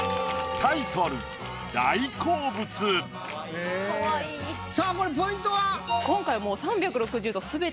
タイトルさあこれポイントは？